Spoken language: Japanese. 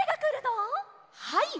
はい！